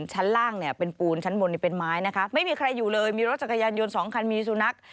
ชั้นล่างเนี่ยเป็นปูนชั้นบนเป็นไม้นะคะไม่มีใครอยู่เลยมีรถจักรยานยนต์สองคันมีสุนัข